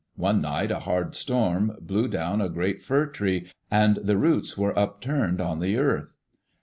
One night a hard storm blew down a great fir tree and the roots were upturned on the earth.